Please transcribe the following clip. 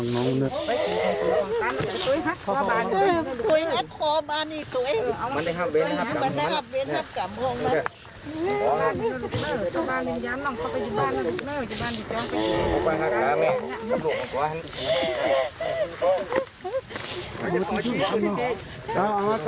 นี่ค่ะ